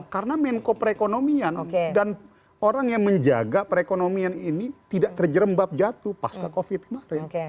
karena menko perekonomian dan orang yang menjaga perekonomian ini tidak terjerembab jatuh pasca covid kemarin